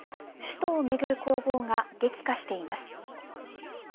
首都をめぐる攻防が激化しています。